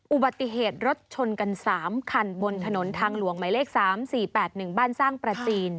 อุบัติเหตุรถชนกัน๓คันบนถนนทางหลวงหมายเลข๓๔๘๑บ้านสร้างประจีน